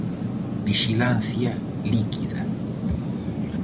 Vixilancia líquida.